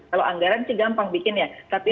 kalau anggaran sih gampang bikin ya tapi